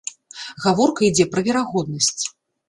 Гаворка ідзе пра верагоднасць.